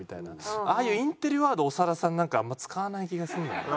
ああいうインテリワード長田さんなんかあんまり使わない気がするんだよな。